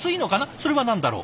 それは何だろう？